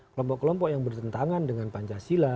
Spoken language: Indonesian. kelompok kelompok yang bertentangan dengan pancasila